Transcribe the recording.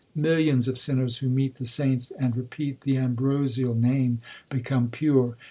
Millions of sinners who meet the saints And repeat the ambrosial Name become pure.